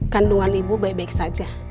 kandungan ibu baik baik saja